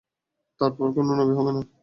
তার পর কোন নবী হবে না।